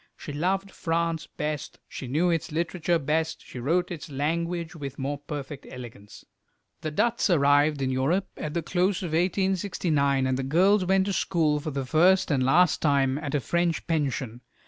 She loved France best, she knew its literature best, she wrote its language with more perfect elegance. The Dutts arrived in Europe at the close of 1869, and the girls went to school, for the first and last time, at a French pension.